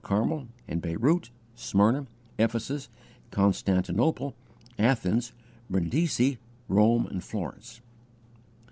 Carmel, and Beirut, Smyrna, Ephesus, Constantinople, Athens, Brindisi, Rome, and Florence.